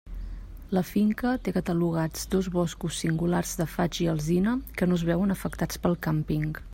La finca té catalogats dos boscos singulars de faig i alzina que no es veuen afectats pel càmping.